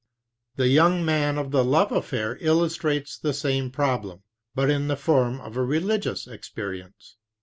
The young man of the love affair illustrates the same problem, but in the form of a religious experience.